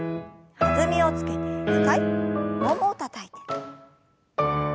弾みをつけて２回ももをたたいて。